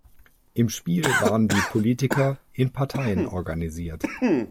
Im Spiel waren die Politiker in Parteien organisiert.